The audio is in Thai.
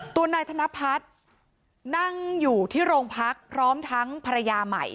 ตัวนายธนพัฒน์นั่งอยู่ที่โรงพักพร้อมทั้งภรรยาใหม่